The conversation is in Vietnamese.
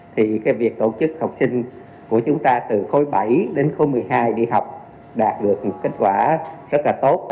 thì cái việc tổ chức học sinh của chúng ta từ khối bảy đến khối một mươi hai đi học đạt được kết quả rất là tốt